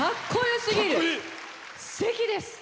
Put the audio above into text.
すてきです！